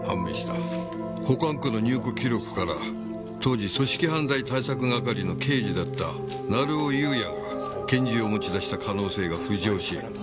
保管庫の入庫記録から当時組織犯罪対策係の刑事だった成尾優也が拳銃を持ち出した可能性が浮上し聴取したが。